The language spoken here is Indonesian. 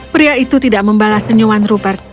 pria itu tidak membalas senyuman rupert